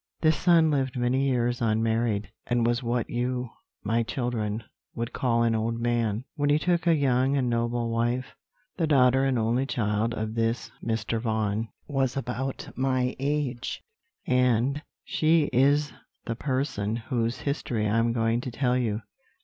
"This son lived many years unmarried, and was what you, my children, would call an old man, when he took a young and noble wife. The daughter and only child of this Mr. Vaughan was about my age, and she is the person whose history I am going to tell you.